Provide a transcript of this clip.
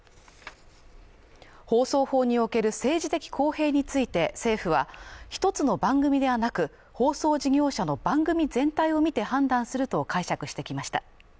放送法における政治的公平について、政府は一つの番組ではなく、放送事業者の番組全体を見て判断すると解釈してきました。